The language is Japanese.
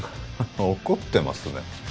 怒ってますね